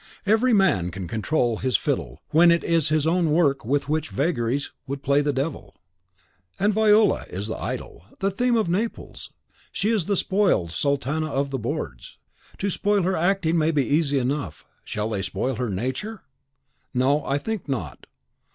Every man can control his fiddle when it is his own work with which its vagaries would play the devil. And Viola is the idol, the theme of Naples. She is the spoiled sultana of the boards. To spoil her acting may be easy enough, shall they spoil her nature? No, I think not.